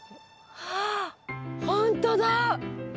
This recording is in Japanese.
あっほんとだ！